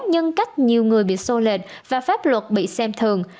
nhân cách nhiều người bị sô lệch và pháp luật bị xem thường